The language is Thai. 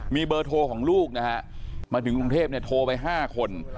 มีเบอร์โทรของลูกนะฮะมาถึงกรุงเทพเนี่ยโทรไป๕คน